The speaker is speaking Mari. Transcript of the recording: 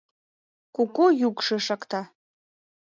Куку юкшы шакта